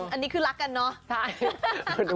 อันนี้คือรักกันเนอะ